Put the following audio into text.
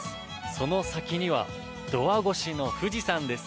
その先にはドア越しの富士山です。